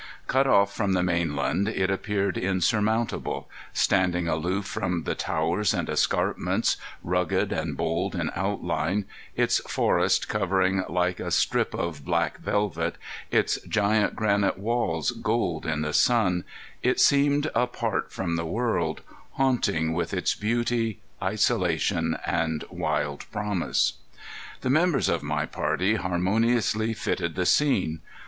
Cut off from the mainland it appeared insurmountable; standing aloof from the towers and escarpments, rugged and bold in outline, its forest covering like a strip of black velvet, its giant granite walls gold in the sun, it seemed apart from the world, haunting with its beauty, isolation and wild promise. The members of my party harmoniously fitted the scene.